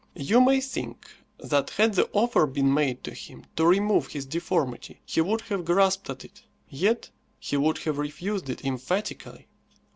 You may think that had the offer been made to him to remove his deformity he would have grasped at it. Yet he would have refused it emphatically.